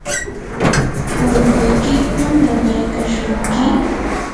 ¿urkuykiku nanaykashunki?